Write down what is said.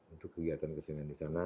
untuk kegiatan kesenian disana